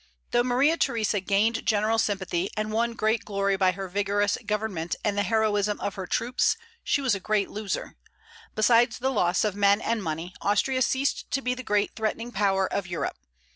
Though Maria Theresa gained general sympathy, and won great glory by her vigorous government and the heroism of her troops, she was a great loser. Besides the loss of men and money, Austria ceased to be the great threatening power of Europe.